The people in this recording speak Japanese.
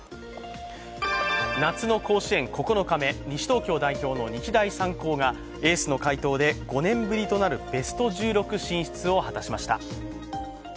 夏の甲子園９日目、西東京代表の日大三高がエースの快投で５年ぶりとなるベスト１６進出を果たしました。